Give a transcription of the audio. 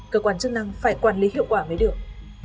cơ quan chức năng phải quản lý hiệu quả mới được